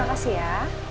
terima kasih ya